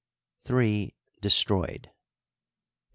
(de stroyed); 4.